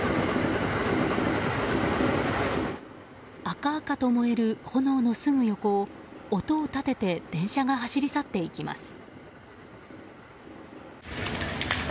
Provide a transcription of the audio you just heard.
赤々と燃える炎のすぐ横を音を立てて電車が走り去っていきます。